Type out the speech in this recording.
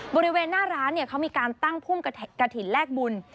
บริเวณหน้าร้านเขามีการตั้งพุ่มกระถิ่นแลกบุญ